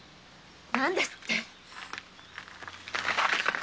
何ですって！？